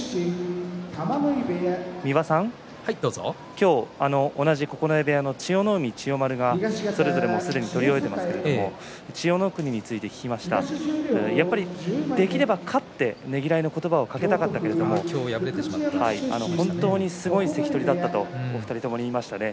今日同じ九重部屋の千代の海千代丸がそれぞれすでに取り終えていますが千代の国について聞きましたらやっぱり、できれば勝ってねぎらいの言葉をかけたかったけれども本当に、すごい関取だったと２人とも言いましたね。